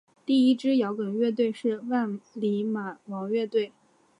第一支摇滚乐队是万李马王乐队。